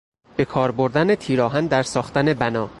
به کار بردن تیرآهن در ساختن بنا